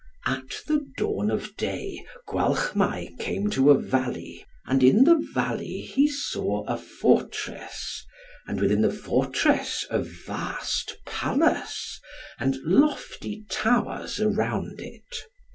At the dawn of day, Gwalchmai came to a valley, and in the valley he saw a fortress, and within the fortress a vast palace, and lofty towers around it.